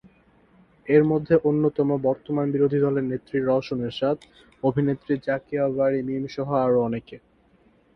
এর মধ্যে অন্যতম বর্তমান বিরোধী দলের নেত্রী রওশন এরশাদ, অভিনেত্রী জাকিয়া বারী মম সহ আরও অনেকে।